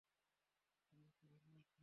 আমি ওকে ভালোবাসি।